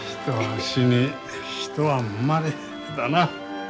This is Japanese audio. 人は死に人は生まれだな。